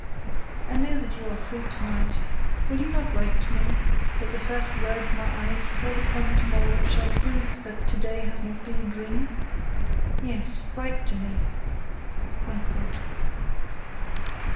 I know that you are free to night, will you not write to me, that the first words my eyes fall upon to morrow shall prove that to day has not been a dream? Yes, write to me.